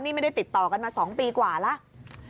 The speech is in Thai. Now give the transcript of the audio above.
นี่ไม่ได้ติดต่อกันมา๒ปีกว่าแล้ว